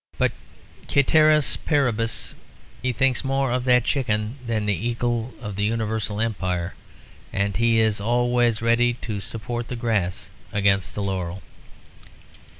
But cæteris paribus he thinks more of that chicken than of the eagle of the universal empire; and he is always ready to support the grass against the laurel.